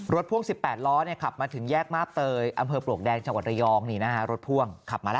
รถพ่วง๑๘ล้อขับมาถึงแยกมาบเตยอำเภอปลวกแดงชะวัดระยอง